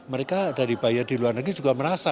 mereka dari bayar di luar negeri juga merasa